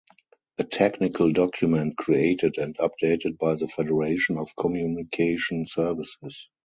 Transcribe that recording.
A technical document created and updated by the Federation of Communication Services.